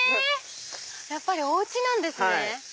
やっぱりおうちなんですね！